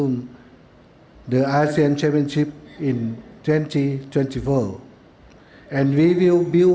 dan kita akan membangun kemampuan yang dilakukan di bawah